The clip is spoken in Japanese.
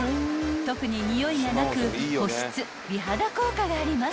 ［特ににおいがなく保湿美肌効果があります］